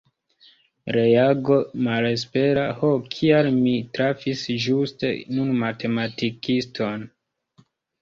Reago malespera: Ho kial mi trafis ĝuste nun matematikiston?